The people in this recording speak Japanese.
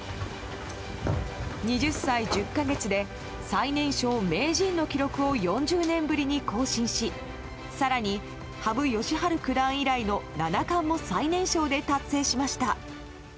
２０歳１０か月で最年少名人の記録を４０年ぶりに更新し更に羽生善治九段以来の七冠も最年少で達成しました。